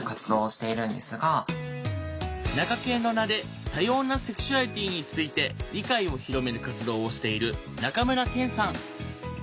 なかけんの名で多様なセクシュアリティーについて理解を広める活動をしている中村健さん。